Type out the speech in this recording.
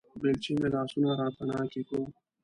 بېلچې مې لاسونه راتڼاکې کړو